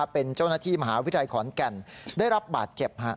เป็นเจ้าหน้าที่มหาวิทยาลัยขอนแก่นได้รับบาดเจ็บ